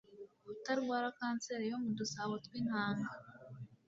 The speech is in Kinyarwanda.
kutarwara kanseri yo mudusabo tw'intaga.